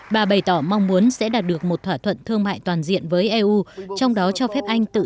bà bày tỏ mong muốn sẽ đạt được một thỏa thuận thương mại toàn diện với eu trong đó cho phép anh tự